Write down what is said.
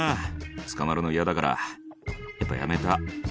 「捕まるの嫌だからやっぱやめた」